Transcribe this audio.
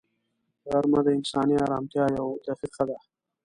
غرمه د انساني ارامتیا یوه دقیقه ده